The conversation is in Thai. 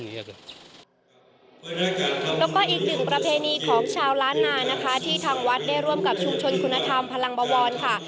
แล้วก็อีกหนึ่งประเพณีของชาวล้านนานะคะที่ทางวัดได้ร่วมกับชุมชนคุณธรรมพลังบวรค่ะ